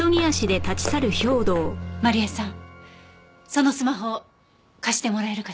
まり枝さんそのスマホ貸してもらえるかしら？